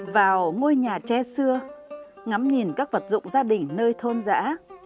vào ngôi nhà tre xưa ngắm nhìn các vật dụng gia đình nơi thôn giã